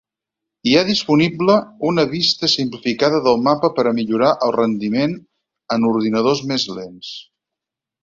Hi ha disponible una vista simplificada del mapa per millorar el rendiment en ordinadors més lents.